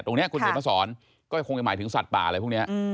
ตรงนี้คุณเศรษฐศรก็คงจะหมายถึงสัตว์ป่าเลยพวกนี้